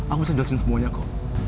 aku bisa jelasin semuanya kok